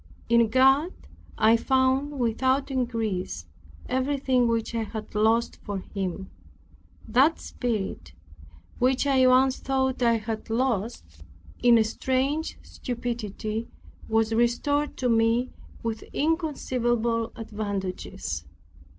In God I found, without increase, everything which I had lost for Him. That spirit, which I once thought I had lost in a strange stupidity, was restored to me with inconceivable advantages.